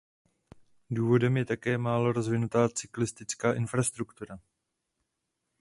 Důvodem je také málo rozvinutá cyklistická infrastruktura.